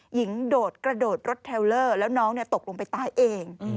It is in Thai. โดดกระโดดรถเทลเลอร์แล้วน้องตกลงไปใต้เอง